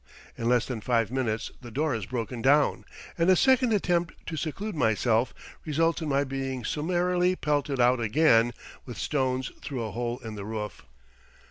In less than five minutes the door is broken down, and a second attempt to seclude myself results in my being summarily pelted out again with stones through a hole in the roof.